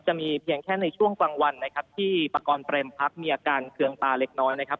จะมีเพียงแค่ในช่วงกลางวันนะครับที่ปากรเปรมพักมีอาการเคืองตาเล็กน้อยนะครับ